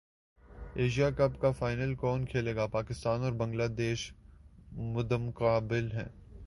Asia Cup کا final کون کھیلے گا پاکستان اور بنگلہ دیش مدمقابل